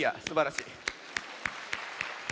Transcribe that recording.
すばらしい。